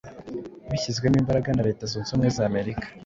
bishyizwemo imbaraga na Leta zunze ubumwe za Amerika,